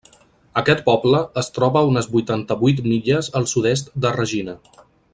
Aquest poble es troba a unes vuitanta-vuit milles al sud-est de Regina.